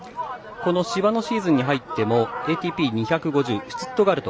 芝のシーズンに入ってのＡＴＰ２５０シュツットガルト